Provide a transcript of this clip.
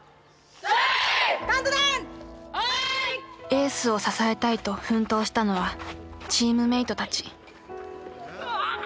エースを支えたいと奮闘したのはチームメートたち。